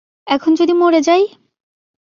এখন যদি মরে যাই?